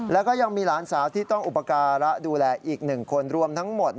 แล้วก็ยังมีหลานสาวที่ต้องอุปการะดูแลอีก๑คนรวมทั้งหมด